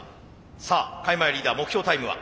さあ開米リーダー目標タイムは？